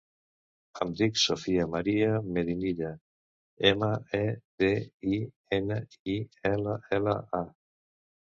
Em dic Sofia maria Medinilla: ema, e, de, i, ena, i, ela, ela, a.